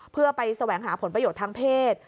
เพื่อไปแสวงหาผลประโยชน์ทางเพศ